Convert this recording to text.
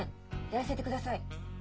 やらせてください。